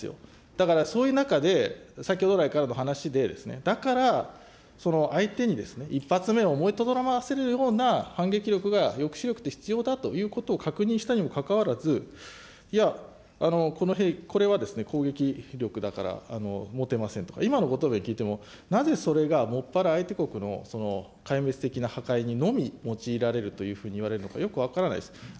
だからそういう中で、先ほどらいからの話で、だから、相手に１発目を思いとどまらせるような反撃力が、抑止力って必要だということを確認したにもかかわらず、いや、この兵器、これは攻撃力だから持てませんとか、今のご答弁聞いても、なぜそれがもっぱら相手国の壊滅的な破壊にのみ用いられるというふうに言われるのか、よく分からないです。